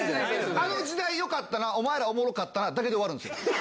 あの時代よかったな、お前らおもろかったなだけで終わるんですよ。